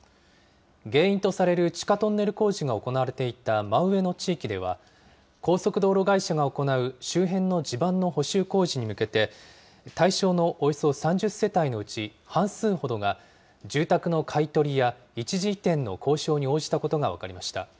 原因とされる地下トンネル工事が行われていた真上の地域では、高速道路会社が行う周辺の地盤の補修工事に向けて、対象のおよそ３０世帯のうち半数ほどが、住宅の買い取りや一時移転の交渉に応じたことが分かりました。